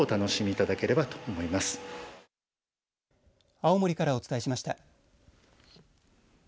青森からお伝えしました。